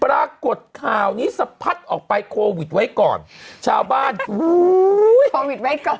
ปรากฏข่าวนี้สะพัดออกไปโควิดไว้ก่อนชาวบ้านอุ้ยโควิดไว้ก่อน